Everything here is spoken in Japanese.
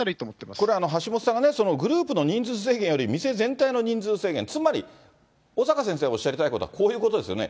これは橋下さんがグループの人数制限より店全体の人数制限、つまり、小坂先生がおっしゃりたいことはこういうことですよね。